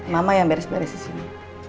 mama yang beres beres di sini